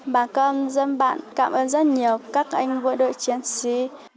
bà câm dân bạn cảm ơn rất nhiều các anh bộ đội chiến sĩ